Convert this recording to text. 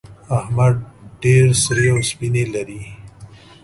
احمد ډېر سرې او سپينې لري.